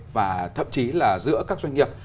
và thậm chí là giữa các doanh nghiệp